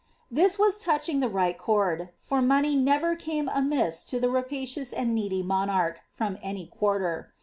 ' his was touching the right chord, for money never came amiss to the pacious and needy monarch, from any quarter.